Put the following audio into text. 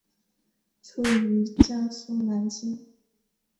生于江苏南京。